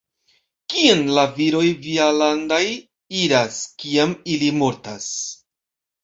Kien la viroj vialandaj iras, kiam ili mortas?